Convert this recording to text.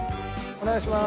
お願いします。